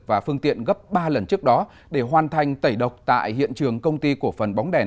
và phương tiện gấp ba lần trước đó để hoàn thành tẩy độc tại hiện trường công ty cổ phần bóng đèn